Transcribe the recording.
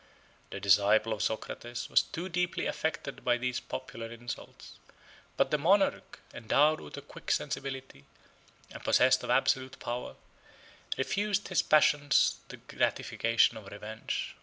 18 The disciple of Socrates was too deeply affected by these popular insults; but the monarch, endowed with a quick sensibility, and possessed of absolute power, refused his passions the gratification of revenge.